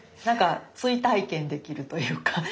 何か追体験できるというか。